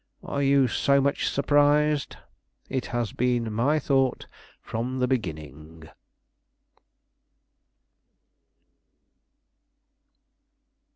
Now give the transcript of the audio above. Are you so much surprised? It has been my thought from the beginning."